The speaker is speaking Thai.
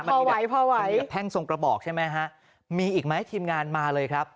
พอไหวพอไหวแพ่งสงระบอกใช่ไหมฮะมีอีกไหมทีมงานมาเลยครับ